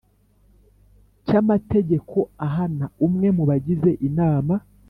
Cy amategeko ahana umwe mu bagize inama